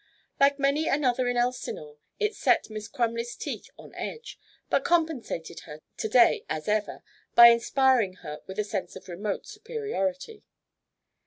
Like many another in Elsinore, it set Miss Crumley's teeth on edge, but compensated her to day as ever by inspiring her with a sense of remote superiority.